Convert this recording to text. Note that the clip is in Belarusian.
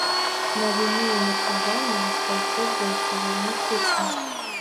Навіны і меркаванні распаўсюджваюцца вельмі хутка.